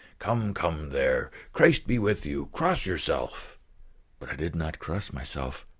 "Come, come, there; Christ be with you! Cross yourself!" But I did not cross myself.